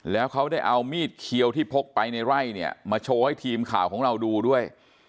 แล้วเขาได้เอามีดเขียวที่พกไปในไร่เนี่ยมาโชว์ให้ทีมข่าวของเราดูด้วย